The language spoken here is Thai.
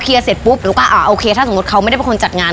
เสร็จปุ๊บหนูก็อ่าโอเคถ้าสมมุติเขาไม่ได้เป็นคนจัดงาน